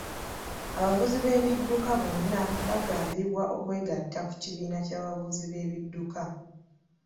Abavuzi b'ebidduka bonna baagambibwa okwegatta ku kibiina ky'abavuzi b'ebidduka.